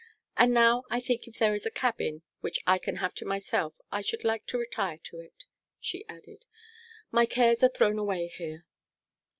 And now I think if there is a cabin which I can have to myself I should like to retire to it,' she added. 'My cares are thrown away here.'